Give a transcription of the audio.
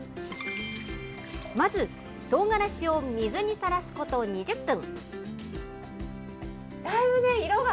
まず、とうがらしを水にさらすこと２０分。